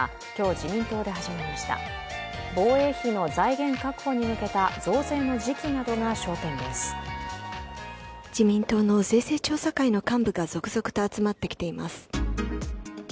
自民党の税制調査会の幹部が続々と集まってきています。